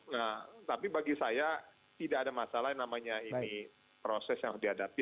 nah tapi bagi saya tidak ada masalah yang namanya ini proses yang dihadapi